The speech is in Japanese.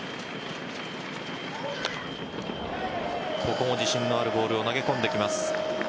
ここも自信のあるボールを投げ込んできます。